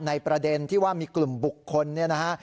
ประเด็นที่ว่ามีกลุ่มบุคคลเนี่ยนะฮะ